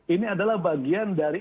ini adalah bagian dari